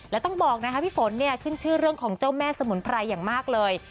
แล้วต้องบอกนะคะพี่ฝนเนี่ยขึ้นชื่อเรื่องของเจ้าแม่สมุนไพรอย่างมากเลย